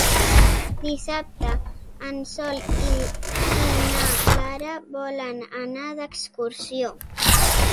Dissabte en Sol i na Lara volen anar d'excursió.